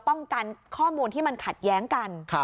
ป้องกันข้อมูลที่มันขัดแย้งกัน